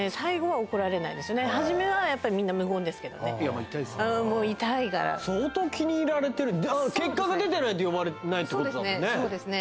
はじめはみんな無言ですけどねもう痛いから相当気に入られてる結果が出てないと呼ばれないってことだもんね